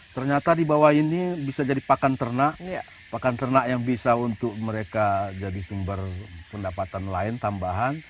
ternyata di bawah ini bisa jadi pakan ternak pakan ternak yang bisa untuk mereka jadi sumber pendapatan lain tambahan